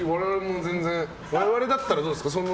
我々だったらどうですか？